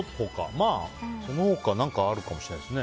まあ、その他何かあるかもしれないですね。